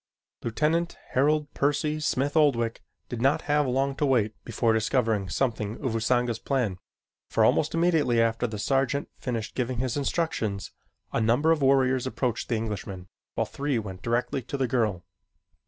Lieutenant Harold Percy Smith Oldwick did not have long to wait before discovering something of Usanga's plan, for almost immediately after the sergeant finished giving his instructions, a number of warriors approached the Englishman, while three went directly to the girl.